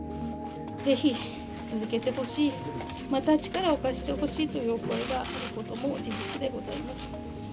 ぜひ続けてほしい、また力を貸してほしいというお声があることも事実でございます。